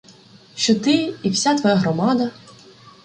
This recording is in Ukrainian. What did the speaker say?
Що ти і вся твоя громада